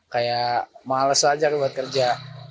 kayak males aja buat kerja